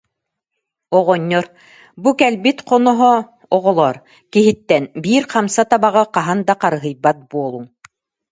Оҕонньор: «Бу кэлбит хоноһо оҕолор киһиттэн биир хамса табаҕы хаһан да харыһыйбат буолуҥ»